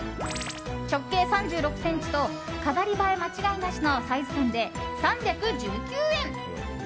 直径３６ｃｍと飾り映え間違いなしのサイズ感で３１９円。